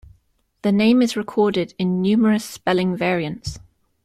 The name is recorded in numerous spelling variants.